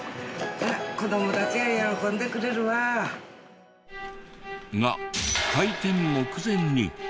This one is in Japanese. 子どもたちが喜んでくれるわ。が開店目前に。